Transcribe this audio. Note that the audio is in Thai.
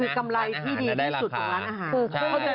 คือกำไรที่ดีที่สุดอาหาร